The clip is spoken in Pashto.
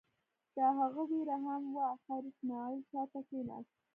د هغه وېره هم وه، خیر اسماعیل شا ته کېناست.